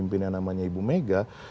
dari seorang pemimpin yang namanya ibu mega